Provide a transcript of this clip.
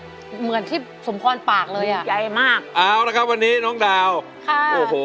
เหมือนที่สมพรปากเลยอ่ะใหญ่มากเอาละครับวันนี้น้องดาวค่ะโอ้โห